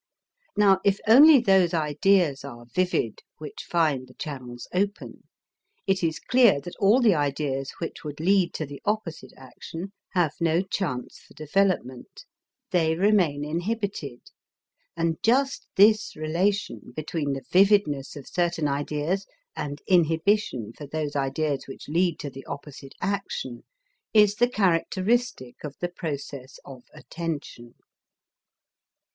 Now if only those ideas are vivid which find the channels open, it is clear that all the ideas which would lead to the opposite action have no chance for development; they remain inhibited, and just this relation between the vividness of certain ideas and inhibition for those ideas which lead to the opposite action is the characteristic of the process of attention.